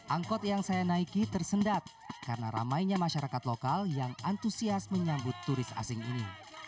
angkot yang saya naiki tersendat karena ramainya masyarakat lokal yang antusias menyambut turis asing ini